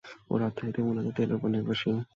এর অর্থনীতি মূলত তেল শিল্পের উপর নির্ভরশীল।